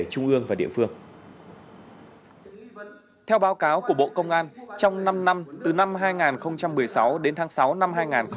trung ương và địa phương theo báo cáo của bộ công an trong năm năm từ năm hai nghìn một mươi sáu đến tháng sáu năm hai nghìn hai mươi